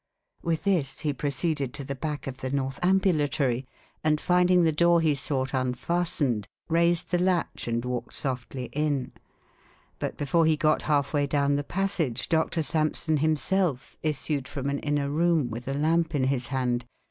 With this he proceeded to the back of the north ambulatory, and finding the door he sought unfastened, raised the latch and walked softly in. But before he got half way down the passage, Doctor Sampson himself issued from an inner room with a lamp in his hand.